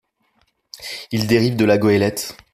Il dérive de la goélette.